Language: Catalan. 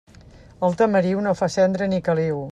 El tamariu no fa cendra ni caliu.